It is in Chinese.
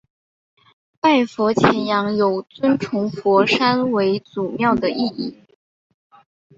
拜佛钳羊有尊崇佛山为祖庙的意义。